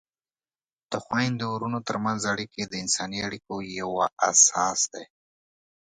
د خویندو ورونو ترمنځ اړیکې د انساني اړیکو یوه اساس ده.